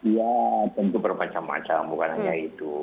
ya tentu berbaca baca bukan hanya itu